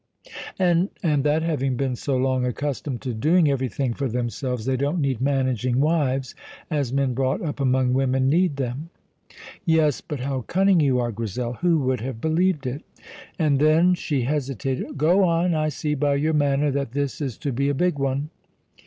"And and that having been so long accustomed to doing everything for themselves, they don't need managing wives as men brought up among women need them." "Yes. But how cunning you are, Grizel! Who would have believed it?" "And then " She hesitated. "Go on. I see by your manner that this is to be a big one."